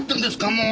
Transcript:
もう！